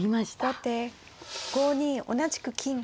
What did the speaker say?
後手５二同じく金。